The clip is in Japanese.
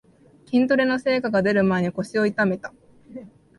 筋トレの成果がでる前に腰を痛めた